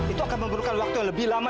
itu akan memerlukan waktu yang lebih lama